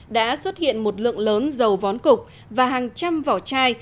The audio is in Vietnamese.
đã xuất hiện một lượng lớn dầu vón cục và hàng trăm vỏ chai